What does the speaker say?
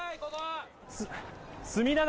隅田川